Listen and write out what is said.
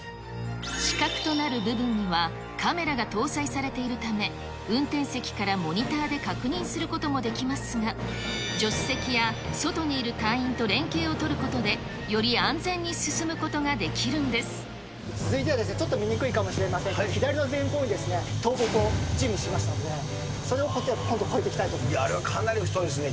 死角となる部分には、カメラが搭載されているため、運転席からモニターで確認することもできますが、助手席や外にいる隊員と連携を取ることで、より安全に進むことが続いては、ちょっと見にくいかもしれませんが、左の前方に、倒木を準備しましたので、あれ、かなり太いですね。